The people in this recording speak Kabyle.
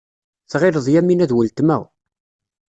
Tɣileḍ Yamina d weltma.